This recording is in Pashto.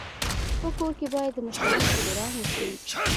په کور کي باید د مشرانو احترام وسي.